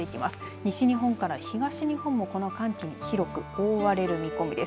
西日本から東日本もこの寒気に広く覆われる見込みです。